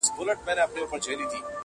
له دې سببه دی چي شپه ستایمه,